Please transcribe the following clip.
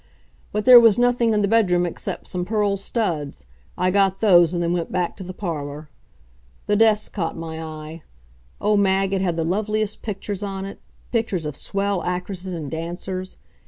But there was nothing in the bedroom except some pearl studs. I got those and then went back to the parlor. The desk caught my eye. Oh, Mag, it had the loveliest pictures on it pictures of swell actresses and dancers.